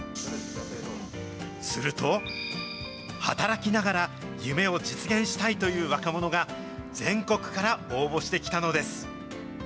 すると、働きながら夢を実現したいという若者が全国から応募してきたのです。